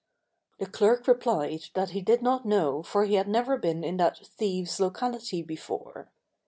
The clerk replied that he did not know for he had never been in that thieves' locality before.